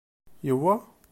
Yewwa?